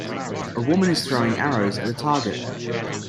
a woman is throwing arrows at a target